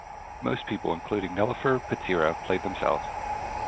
Most people, including Nelofer Pazira, played themselves.